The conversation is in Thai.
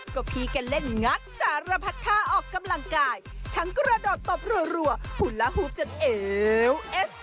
ก็พี่กันเล่นงัดสารพัดท่าออกกำลังกายทั้งกระโดดตบรัวหุ่นละฮูบจนเอวเอส